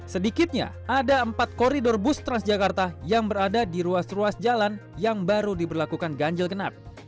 sedikitnya ada empat koridor bus transjakarta yang berada di ruas ruas jalan yang baru diberlakukan ganjil genap